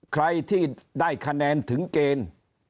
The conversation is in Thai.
ใครที่ได้คะแนนถึงเกณฑ์